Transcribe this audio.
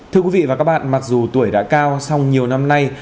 thưa quý vị và các bạn mặc dù tuổi đã cao song nhiều năm nay